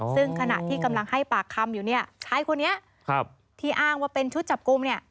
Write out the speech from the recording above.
ซึ่งขณะที่กำลังให้ปากคำอยู่เนี่ยชายคนนี้ที่อ้างว่าเป็นชุดจับกลุ่มเนี่ย